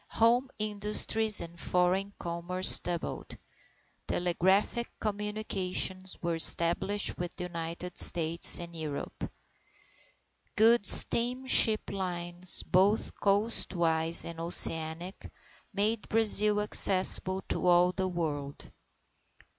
Home industries and foreign commerce doubled. Telegraphic communications were established with the United States and Europe. Good steamship lines, both coastwise and oceanic, made Brazil accessible to all the world.